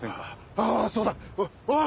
ああそうだおい